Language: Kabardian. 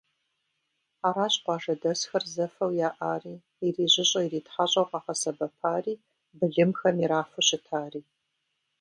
Аращ къуажэдэсхэр зэфэу яӏари, ирижьыщӏэ-иритхьэщӏэу къагъэсэбэпари, былымхэм ирафу щытари.